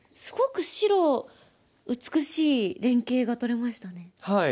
すごく白美しい連係がとれましたね。